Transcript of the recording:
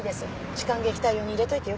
痴漢撃退用に入れといてよかった。